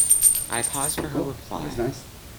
I pause for her reply.